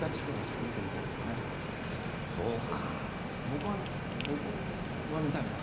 僕は僕は見たいな。